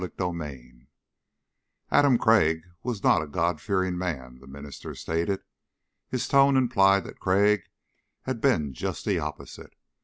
CHAPTER 14 "Adam Crag was not a God fearing man," the minister stated. His tone implied that Crag had been just the opposite.